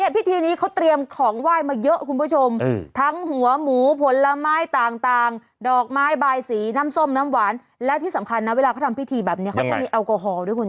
พิธีนี้เขาเตรียมของไหว้มาเยอะคุณผู้ชมทั้งหัวหมูผลไม้ต่างดอกไม้บายสีน้ำส้มน้ำหวานและที่สำคัญนะเวลาเขาทำพิธีแบบนี้เขาต้องมีแอลกอฮอล์ด้วยคุณ